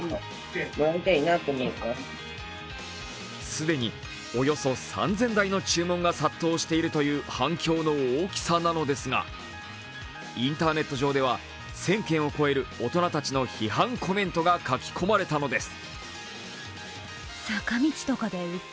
既におよそ３０００台の注文が殺到しているという反響の大きさなのですがインターネット上では、１０００件を超える大人たちの批判コメントが書き込まれたのです。